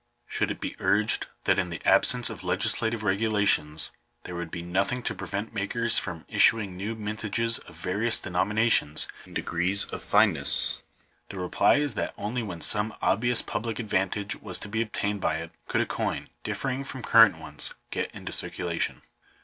Should it be urged that in the absence of legislative regulations there would be nothing to prevent makers from issuing new mintages of various denominations and degrees of fineness, the reply is that only when some obvious public advantage was to be obtained by it, could a coin differing from current ones get into circulation.